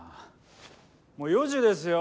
もう４時ですよ。